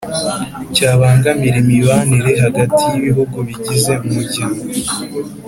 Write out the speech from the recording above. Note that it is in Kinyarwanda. cyabangamira imibanire hagati y'ibihugu bigize umuryango.